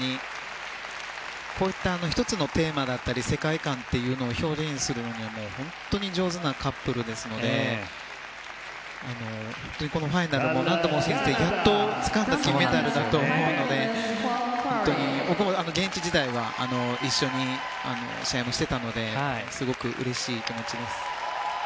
こういった１つのテーマだったり世界観というのを表現するのには本当に上手なカップルですので本当にこのファイナルもやっとつかんだ金メダルだと思うので本当に僕も現役時代は一緒に試合もしていたのですごくうれしい気持ちです。